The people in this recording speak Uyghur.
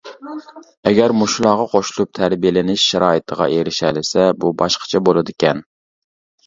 ئەگەر مۇشۇلارغا قوشۇلۇپ تەربىيەلىنىش شارائىتىغا ئېرىشەلىسە بۇ باشقىچە بولىدىكەن.